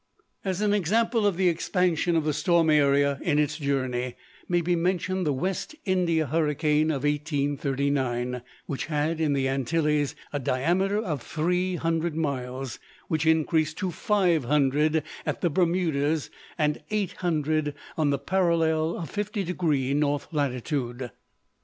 As an example of the expansion of the storm area in its journey, may be mentioned the West India hurricane of 1839, which had, in the Antilles, a diameter of three hundred miles, which increased to five hundred at the Bermudas, and eight hundred on the parallel of 50° north latitude.